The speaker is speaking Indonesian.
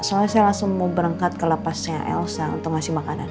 soalnya saya langsung mau berangkat ke lapasnya elsa untuk ngasih makanan